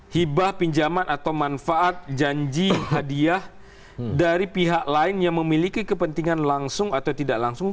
hibah pinjaman atau manfaat janji hadiah dari pihak lain yang memiliki kepentingan langsung atau tidak langsung